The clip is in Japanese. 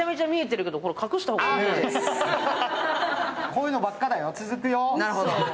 こういうのばっかだよ、続くよ。